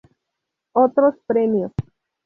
Otros premios